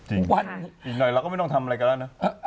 อีกหน่อยเราก็ไม่ต้องทำอะไรก็แล้วนะ